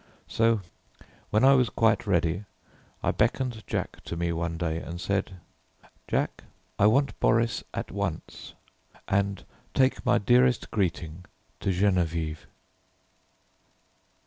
So, when I was quite ready, I beckoned Jack to me one day, and said "Jack, I want Boris at once; and take my dearest greeting to Geneviève...."